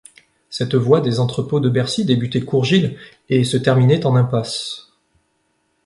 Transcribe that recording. Cette voie des entrepôts de Bercy débutait cour Gilles et se terminait en impasse.